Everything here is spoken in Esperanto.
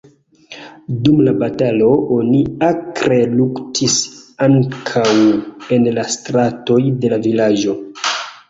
Dum la batalo oni akre luktis ankaŭ en la stratoj de la vilaĝo.